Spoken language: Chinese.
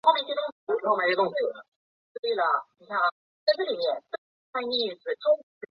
德雷下韦雷的一部分。